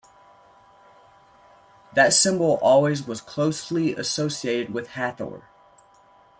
That symbol always was closely associated with Hathor.